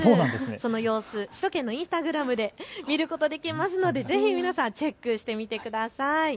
その様子、首都圏のインスタグラムで見ることができるのでぜひ皆さんチェックしてみてください。